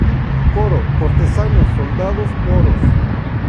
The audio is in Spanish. Coro: Cortesanos, soldados, moros.